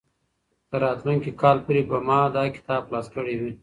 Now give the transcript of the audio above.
تر راتلونکي کال پورې به ما دا کتاب خلاص کړی وي.